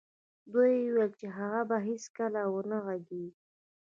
دوی ویل چې هغه به هېڅکله و نه غږېږي